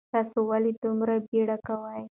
تاسو ولې دومره بیړه کوئ؟